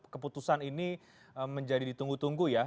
keputusan ini menjadi ditunggu tunggu ya